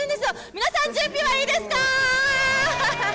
皆さん、準備はいいですか！？